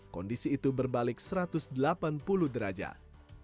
kondisi itu berbalik satu ratus delapan puluh derajat